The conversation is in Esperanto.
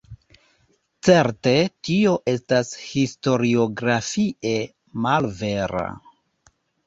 Certe, tio estas historiografie malvera.